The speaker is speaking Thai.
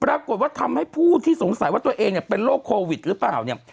ปรากฏว่าทำให้ผู้ที่สงสัยว่าตัวเองเนี่ยเป็นโรคโควิดหรือเปล่าเนี่ย